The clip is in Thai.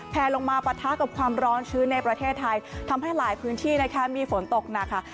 ลงมาปะทะกับความร้อนชื้นในประเทศไทยทำให้หลายพื้นที่นะคะมีฝนตกหนักค่ะ